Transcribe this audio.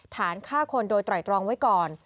ฐานฆ่าคนโดยไตรตรองไว้ก่อน